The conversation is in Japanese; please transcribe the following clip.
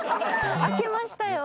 明けましたよ。